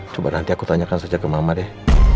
coba nanti aku tanyakan saja ke mama deh